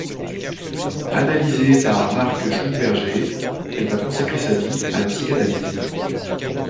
Analysée par Marc Schlumberger elle va consacrer sa vie à la psychanalyse.